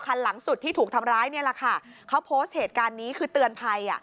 คันหลังสุดที่ถูกทำร้ายเนี่ยแหละค่ะเขาโพสต์เหตุการณ์นี้คือเตือนภัยอ่ะ